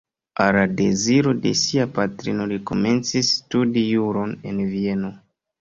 Al la deziro de sia patrino li komencis studi juron en Vieno.